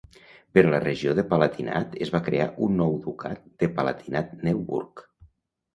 Per a la regió de Palatinat es va crear un nou ducat de Palatinat-Neuburg.